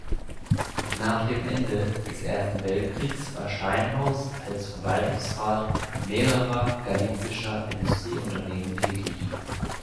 Nach dem Ende des Ersten Weltkriegs war Steinhaus als Verwaltungsrat mehrerer galizischer Industrieunternehmen tätig.